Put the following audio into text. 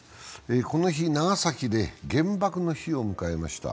この日、長崎で原爆の日を迎えました。